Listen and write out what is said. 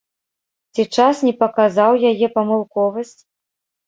Ці час не паказаў яе памылковасць?